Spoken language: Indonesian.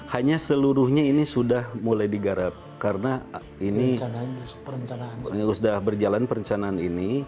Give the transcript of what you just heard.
hanya seluruhnya ini sudah mulai digarap karena ini sudah berjalan perencanaan ini